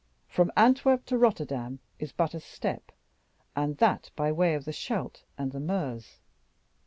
From Antwerp to Rotterdam is but a step, and that by the way of the Scheldt and the Meuse.